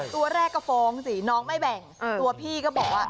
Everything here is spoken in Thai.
ตัวแรกก็ฟ้องสิน้องไม่แบ่งตัวพี่ก็บอกว่า